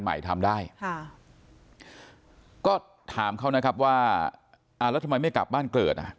ทำได้ค่ะก็ถามเขานะครับว่าอ่าแล้วทำไมไม่กลับบ้านเกิดอ่ะ